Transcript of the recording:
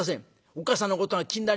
おっ母さんのことが気になります。